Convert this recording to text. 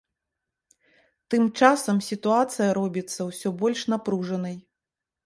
Тым часам сітуацыя робіцца ўсё больш напружанай.